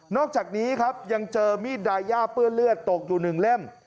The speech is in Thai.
อกจากนี้ครับยังเจอมีดดายาเปื้อนเลือดตกอยู่๑เล่ม